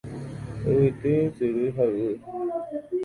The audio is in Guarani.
Yvyty, ysyry ha yvy.